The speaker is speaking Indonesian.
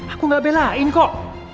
aku gak belain kok